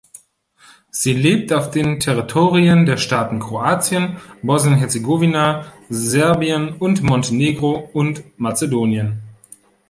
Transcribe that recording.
Sie lebt auf den Territorien der Staaten Kroatien, Bosnien-Herzegowina, Serbien und Montenegro und Mazedonien.